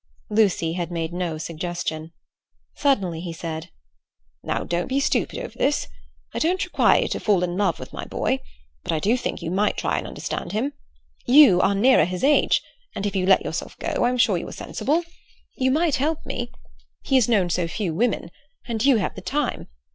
Lucy had made no suggestion. Suddenly he said: "Now don't be stupid over this. I don't require you to fall in love with my boy, but I do think you might try and understand him. You are nearer his age, and if you let yourself go I am sure you are sensible. You might help me. He has known so few women, and you have the time.